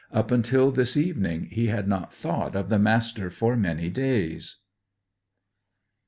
Up till this evening he had not thought of the Master for many days.